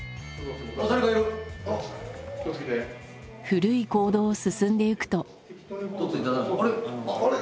古い坑道を進んでゆくと。